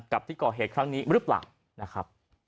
กับที่เกาะเหตุครั้งนี้หรือเปล่า